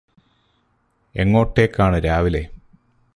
എങ്ങോട്ടേക്കാണ് രാവിലെ?